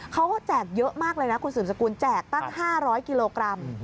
แจกเยอะมากเลยนะคุณสืบสกุลแจกตั้ง๕๐๐กิโลกรัม